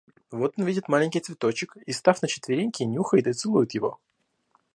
Вот он видит маленький цветочек и, став на четвереньки, нюхает и целует его.